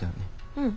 うん。